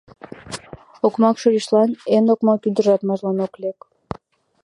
Окмак шольычлан эн окмак ӱдыржат марлан ок лек.